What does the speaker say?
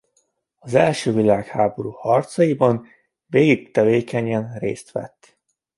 Az első világháború harcaiban végig tevékenyen részt vett.